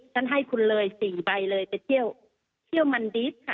ฉันให้คุณเลย๔ใบเลยไปเที่ยวมันดิฟต์ค่ะ